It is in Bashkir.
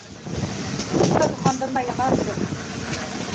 Ут та тоҡандырмай ятасы?!